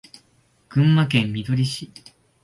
群馬県みどり市